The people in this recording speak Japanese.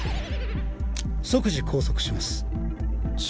即時拘束します。